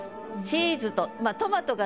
「チーズと」